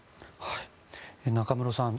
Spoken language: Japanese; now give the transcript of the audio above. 中室さん